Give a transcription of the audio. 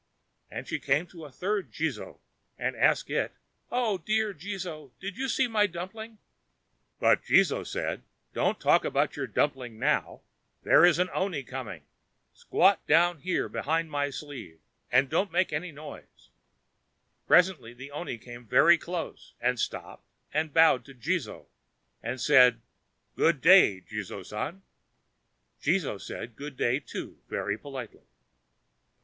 And she came to a third Jizō, and asked it: "O dear Jizō, did you see my dumpling?" But Jizō said: "Don't talk about your dumpling now. Here is the oni coming. Squat down here behind my sleeve, and don't make any noise." Presently the oni came very close, and stopped and bowed to Jizō, and said: "Good day, Jizō San!" Jizō said good day, too, very politely.